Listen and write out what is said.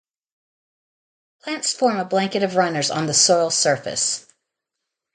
Plants form a blanket of runners on the soil surface.